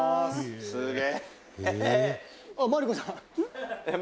「すげえ！」